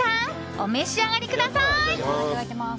お召し上がりください。